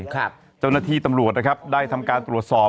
เจ้าหน้าที่ตำรวจนะครับได้ทำการตรวจสอบ